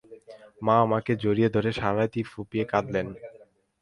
মা আমাকে জড়িয়ে ধরে সারারাতই ফুঁপিয়ে কাঁদলেন।